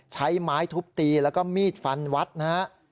ใช้ไม้ทุบตีแล้วก็มีดฟันวัดนะฮะ